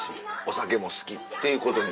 酒も好きっていうことに。